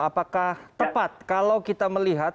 apakah tepat kalau kita melihat